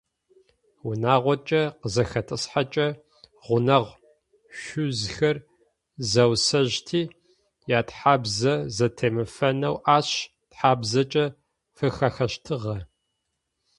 Унэгъуакӏэ къызахэтӏысхьэкӏэ, гъунэгъу шъузхэр зэусэжьти, ятхьабзэ зэтемыфэнэу ащ тхьабзакӏэ фыхахыщтыгъэ.